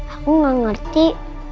aku gak ngerti